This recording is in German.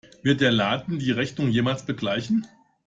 Wird der Laden die Rechnung jemals begleichen?